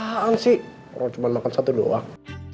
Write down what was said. hang sih orang cuma makan satu doang